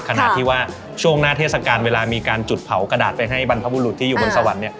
ขณะที่ว่าช่วงหน้าเทศกาลเวลามีการจุดเผากระดาษไปให้บรรพบุรุษที่อยู่บนสวรรค์